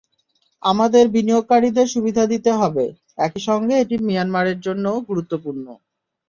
আমাদের বিনিয়োগকারীদের সুবিধা দিতে হবে, একই সঙ্গে এটি মিয়ানমারের জন্যও গুরুত্বপূর্ণ।